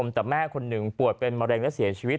แต่แม่คนหนึ่งปวดเป็นมะเร็งและเสียชีวิต